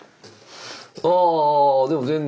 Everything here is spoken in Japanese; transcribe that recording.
ああでも全然。